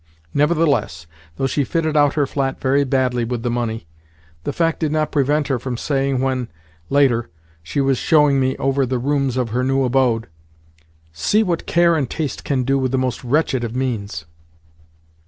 Nevertheless, though she fitted out her flat very badly with the money, the fact did not prevent her from saying when, later, she was showing me over the rooms of her new abode: "See what care and taste can do with the most wretched of means!"